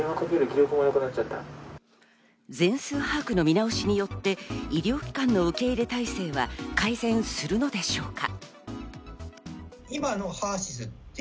全数把握の見直しによって、医療機関の受け入れ態勢は改善するのでしょうか？